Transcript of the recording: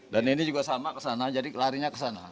dan ini juga sama kesana jadi larinya kesana